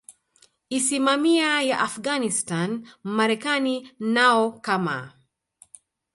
isimamia ya Afghanistan Marekani nao kama